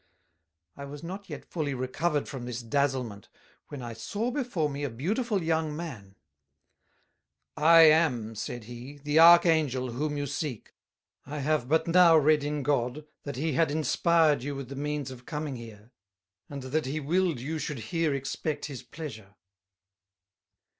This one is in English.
I was not yet fully recovered from this dazzlement, when I saw before me a beautiful Young man. 'I am,' said he, 'the Archangel whom you seek, I have but now read in God that he had inspired you with the means of coming here, and that he willed you should here expect his pleasure.'